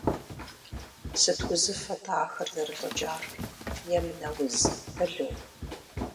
Сыт узыфэ-тӀэ ахэр зэрылӀыкӀар, – емынэ уз, тало?